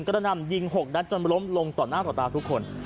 กระนำยิง๖นัดจนล้มลงต่อหน้าต่อตาทุกคน